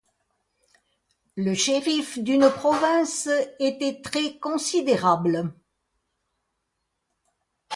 Le shériff d’une province était très considérable.